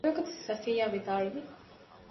އެވަގުތު ޞަފިއްޔާ ވިދާޅުވި